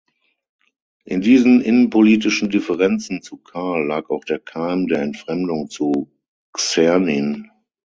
In diesen innenpolitischen Differenzen zu Karl lag auch der Keim der Entfremdung zu Czernin.